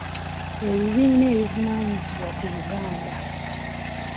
Ebibiina ebivunaanyizibwa ku Luganda: